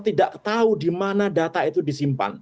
tidak tahu di mana data itu disimpan